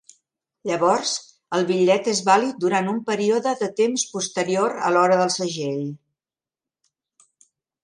Llavors, el bitllet és vàlid durant un període de temps posterior a l'hora del segell.